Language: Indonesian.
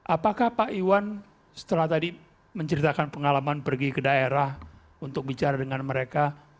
apakah pak iwan setelah tadi menceritakan pengalaman pergi ke daerah untuk bicara dengan mereka